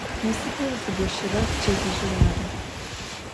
Nasıpır zıgoşırer pçedıjır arı.